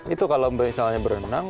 itu kalau misalnya berenang